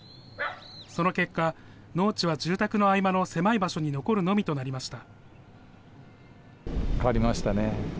その結果、農地は住宅の合間の狭い場所に残るのみとなりました。